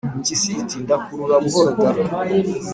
Impyisi iti: "Ndakurura buhoro da!